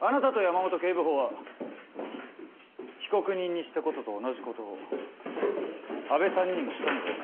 あなたと山本警部補は被告人にしたことと同じことを阿部さんにもしたのではないですか？